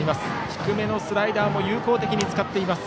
低めのスライダーも有効的に使っています